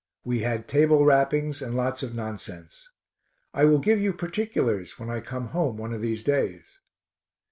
We had table rappings and lots of nonsense. I will give you particulars when I come home one of these days.